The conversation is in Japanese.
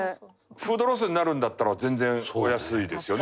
フードロスになるんだったら全然お安いですよね。